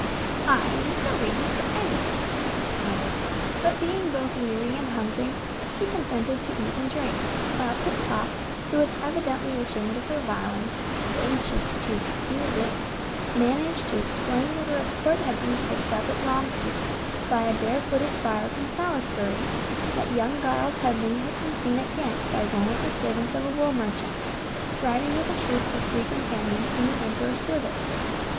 "Ay—you've your reasons for anything," she muttered, but being both weary and hungry, she consented to eat and drink, while Tiptoff, who was evidently ashamed of her violence, and anxious to excuse it, managed to explain that a report had been picked up at Romsey, by a bare footed friar from Salisbury, that young Giles Headley had been seen at Ghent by one of the servants of a wool merchant, riding with a troop of Free Companions in the Emperor's service.